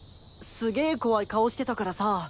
すげえ怖い顔してたからさ。